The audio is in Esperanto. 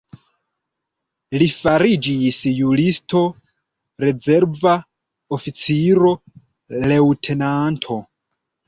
Li fariĝis juristo, rezerva oficiro, leŭtenanto.